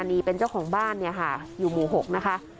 นี่เป็นเจ้าของบ้านเนี่ยค่ะอยู่หมู่๖นะคะ